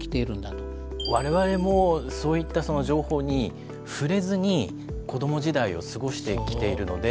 我々もそういった情報に触れずに子ども時代を過ごしてきているので。